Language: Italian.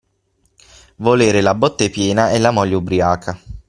Volere la botte piena e la moglie ubriaca.